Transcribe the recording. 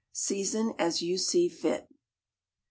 Season as you see fit. .